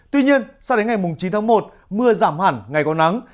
tuy nhiên sau đến ngày chín tháng một mưa giảm hẳn ngày có nắng